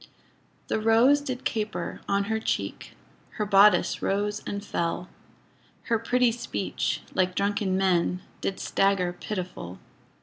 The rose did caper on her cheek, Her bodice rose and fell, Her pretty speech, like drunken men, Did stagger pitiful.